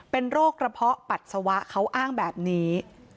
เป็นโรคกระเพาะปัสสาวะเขาอ้างแบบนี้